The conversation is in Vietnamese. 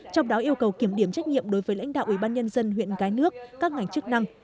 trong đó yêu cầu kiểm điểm trách nhiệm đối với lãnh đạo ubnd huyện cái nước các ngành chức năng